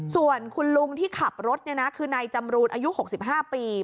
ส่วนคุณลุงที่ขับรถคือนายจำรูนอายุ๖๕ปี